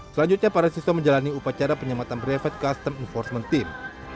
selanjutnya para siswa menjalani upacara penyematan private custom enforcement team